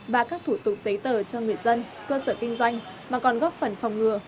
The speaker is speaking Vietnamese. và các thủ tục giấy tờ cho người dân cơ sở kinh doanh mà còn góp phần phòng ngừa